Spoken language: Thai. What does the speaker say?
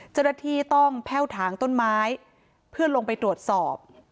เจ้าหน้าที่ต้องแพ่วถางต้นไม้เพื่อลงไปตรวจสอบ